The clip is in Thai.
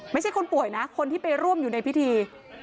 ไม่ใช่คนป่วยนะคนที่ไปร่วมอยู่ในพิธี